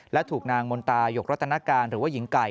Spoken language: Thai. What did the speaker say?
และถูกนางมนตายกรัตนการหรือว่าหญิงไก่